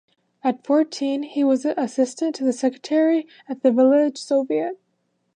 At fourteen he was an assistant to the Secretary at the Village Soviet.